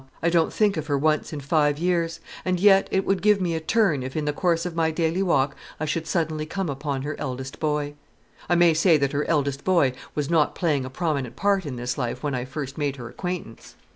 I don't think of her once in five years; and yet it would give me a turn if in the course of my daily walk I should suddenly come upon her eldest boy. I may say that her eldest boy was not playing a prominent part in this life when I first made her acquaintance.